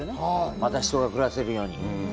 また人が暮らせるように。